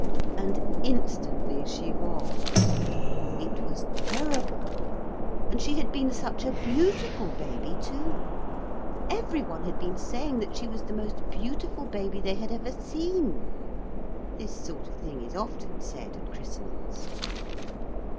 And instantly she was. It was terrible. And she had been such a beautiful baby too. Every one had been saying that she was the most beautiful baby they had ever seen. This sort of thing is often said at christenings.